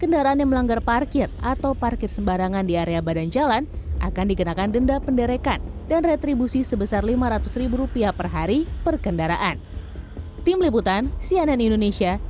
kendaraan yang melanggar parkir atau parkir sembarangan di area badan jalan akan dikenakan denda penderekan dan retribusi sebesar lima ratus ribu rupiah per hari per kendaraan